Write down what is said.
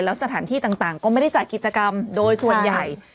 แล้วสถานที่ต่างก็ไม่ได้จัดกิจกรรมโดยส่วนใหญ่